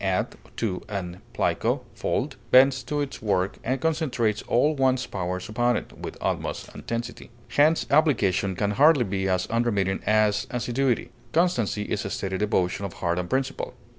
ad, to, and plico, fold) bends to its work and concentrates all one's powers upon it with utmost intensity; hence, application can hardly be as unremitting as assiduity. Constancy is a steady devotion of heart and principle.